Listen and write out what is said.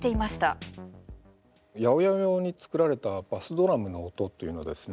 ８０８用に作られたバスドラムの音というのはですね